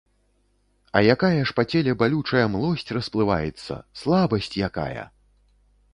А якая ж па целе балючая млосць расплываецца, слабасць якая!